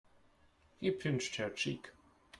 He pinched her cheek.